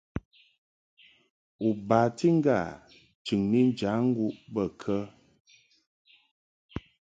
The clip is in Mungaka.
U bati ŋgâ chɨŋni njaŋguʼ bə kə ?